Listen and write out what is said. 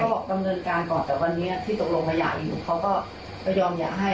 บอกดำเนินการก่อนแต่วันนี้ที่ตกลงมาอยากอยู่เขาก็ยอมอยากให้